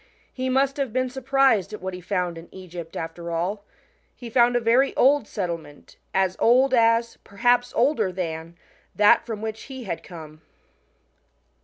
He must have been sur prised at what he found in Egypt, after all. He found a very old settlement, as old as perhaps older than that from which he had come.